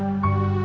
bantu idan ya allah